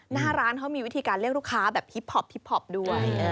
หน้าร้านเขามีวิธีการเรียกลูกค้าแบบฮิปพอปฮิปพอปด้วย